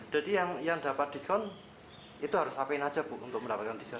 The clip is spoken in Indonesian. yang dapat diskon itu harus ngapain aja bu untuk mendapatkan diskon